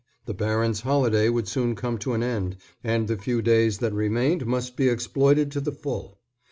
The baron's holiday would soon come to an end, and the few days that remained must be exploited to the full.